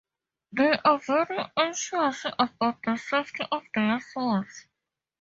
They are very anxious about the safety of their souls.